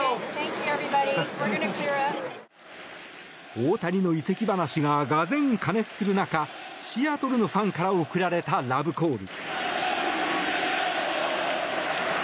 大谷の移籍話ががぜん過熱する中シアトルのファンから送られたラブコール。